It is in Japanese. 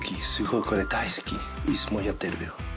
いつもやってるよ。